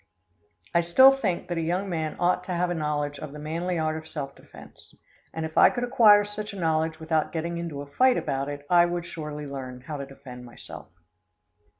I still think that a young man ought to have a knowledge of the manly art of self defense, and if I could acquire such a knowledge without getting into a fight about it I would surely learn how to defend myself.